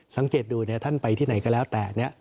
สังเกตดูท่านไปที่ไหนก็แล้วแต่